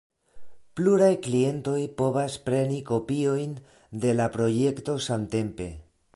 Pluraj klientoj povas preni kopiojn de la projekto samtempe.